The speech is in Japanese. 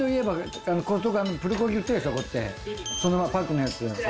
そのパックのやつ。